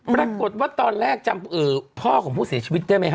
ปรากฏว่าตอนแรกจำพ่อของผู้เสียชีวิตได้ไหมฮ